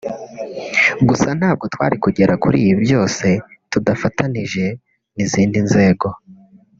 Gusa ntabwo twari kugera kuri ibi byose tudafatanyije n’izindi nzego